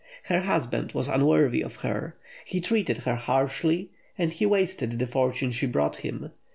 Her husband was unworthy of her. He treated her harshly, and he wasted the fortune she brought him.